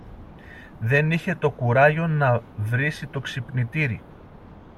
Δεν είχε το κουράγιο να βρίσει το ξυπνητήρι